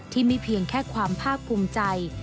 ไม่เพียงแค่ความภาคภูมิใจ